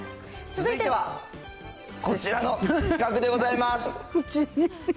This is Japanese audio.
続いてはこちらの企画でございます。